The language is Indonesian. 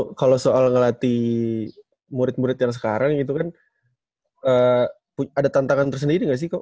tapi kalau soal ngelatih murid murid yang sekarang gitu kan ada tantangan tersendiri gak sih